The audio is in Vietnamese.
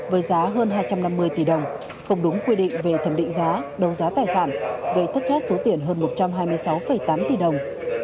với giá hơn hai trăm năm mươi tỷ đồng không đúng quy định về thẩm định giá đấu giá tài sản gây thất thoát số tiền hơn một trăm hai mươi sáu tám tỷ đồng